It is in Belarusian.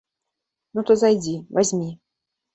Ну, то зайдзі, вазьмі!